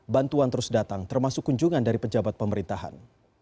bantuan terus datang termasuk kunjungan dari pejabat pemerintahan